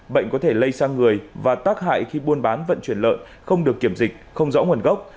bệnh có thể lây sang người và tác hại khi buôn bán vận chuyển lợn không được kiểm dịch không rõ nguồn gốc